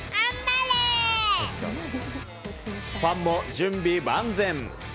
ファンも準備万全。